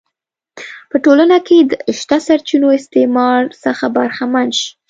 په ټولنه کې د شته سرچینو استثمار څخه برخمن شي.